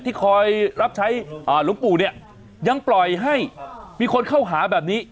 ที่คอยรับใช้หลวงปู่เนี่ยยังปล่อยให้มีคนเข้าหาแบบนี้